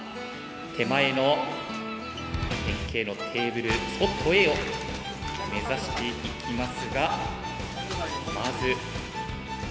手前の円形のテーブルスポットＡを目指していきますがまず。